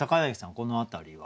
この辺りは？